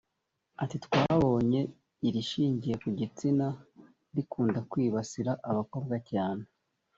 Ati “Twabonye irishingiye ku gitsina rikunda kwibasira abakobwa cyane